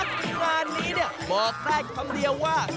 งานนี้เนี่ยบอกได้คำเดียวว่า